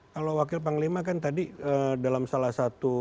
kalau wakil panglima kan tadi dalam salah satu